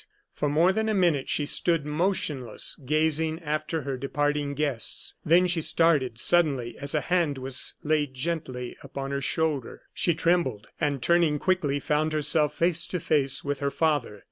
For more than a minute she stood motionless, gazing after her departing guests; then she started suddenly as a hand was laid gently upon her shoulder. She trembled, and, turning quickly, found herself face to face with her father.